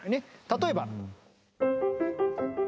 例えば。